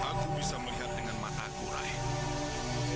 aku bisa melihat dengan mataku rahim